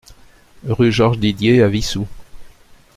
Rue Georges Didier à Wissous